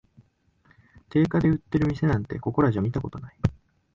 定価で売ってる店なんて、ここらじゃ見たことない